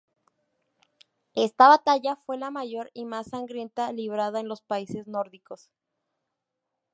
Esta batalla fue la mayor y más sangrienta librada en los países nórdicos.